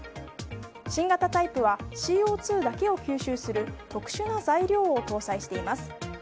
新型タイプはＣＯ２だけを吸収する特殊な材料を搭載しています。